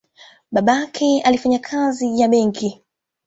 Babake alifanya kazi ya benki.